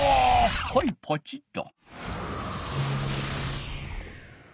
はいポチッと。